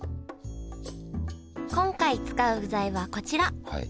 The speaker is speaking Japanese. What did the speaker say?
今回使う具材はこちら。